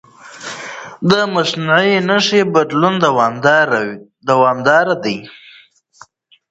د مصنوعي نښې بدلون دوامداره دی.